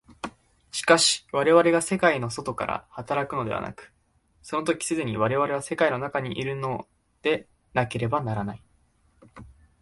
しかし我々が世界の外から働くのではなく、その時既に我々は世界の中にいるのでなければならない。